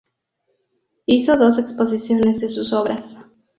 Hizo dos exposiciones de sus obras.